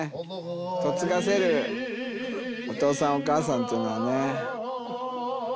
嫁がせるお父さんお母さんっていうのはね。